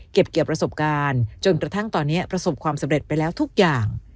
เกี่ยวประสบการณ์จนกระทั่งตอนนี้ประสบความสำเร็จไปแล้วทุกอย่าง